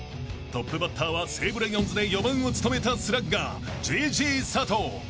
［トップバッターは西武ライオンズで４番を務めたスラッガー］